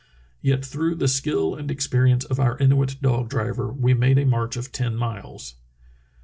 Yet through the skill and experience of our Inuit dog driver we made a march of ten miles."